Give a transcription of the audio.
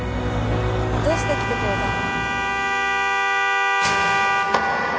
どうして来てくれたの？